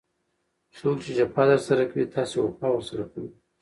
څوک چي جفا درسره کوي؛ تاسي وفا ورسره کوئ!